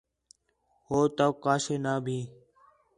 ہو تؤک کا شے نا بھی